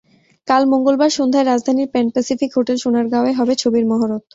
কাল মঙ্গলবার সন্ধ্যায় রাজধানীর প্যান প্যাসিফিক হোটেল সোনারগাঁয় হবে ছবির মহরত।